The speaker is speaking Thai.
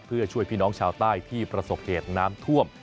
เพื่อช่วยพี่น้องชาวใต้ที่ประสบเหตุน้ำท่วม